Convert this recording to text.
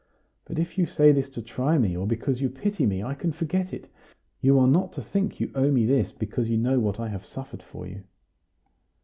But if you say this to try me, or because you pity me, I can forget it. You are not to think you owe me this, because you know what I have suffered for you."